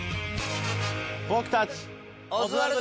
僕たち。